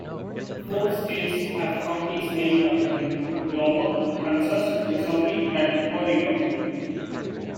Four states have counties named after him: Iowa, Kansas, Missouri, and Oregon.